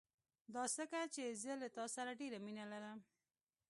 دا ځکه چې زه له تا سره ډېره مينه لرم.